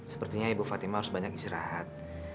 sepertinya ibu fatima harus banyak istirahat